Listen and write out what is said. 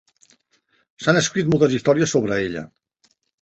S'han escrit moltes històries sobre ella.